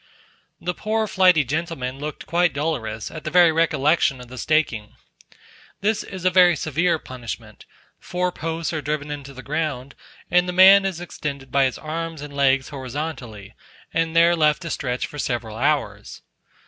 The poor flighty gentleman looked quite dolorous, at the very recollection of the staking. This is a very severe punishment; four posts are driven into the ground, and the man is extended by his arms and legs horizontally, and there left to stretch for several hours.